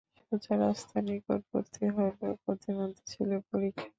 সোজা রাস্তা নিকটবর্তী হলেও পথিমধ্যে ছিল পরিখা।